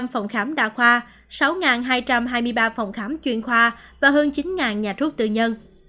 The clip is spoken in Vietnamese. hai trăm một mươi năm phòng khám đa khoa sáu hai trăm hai mươi ba phòng khám chuyên khoa và hơn chín nhà thuốc tư nhân